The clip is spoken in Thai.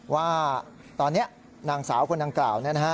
ว่าตอนนี้นางสาวคนนางกล่าว